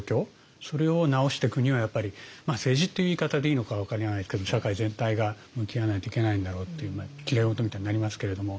それをなおしてくにはやっぱり政治っていう言い方でいいのか分からないですけど社会全体が向き合わないといけないんだろうっていうきれい事みたいになりますけれども。